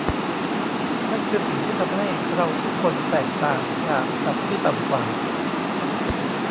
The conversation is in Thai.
นั่นคือสิ่งที่ทำให้เราทุกคนแตกต่างจากสัตว์ที่ต่ำกว่า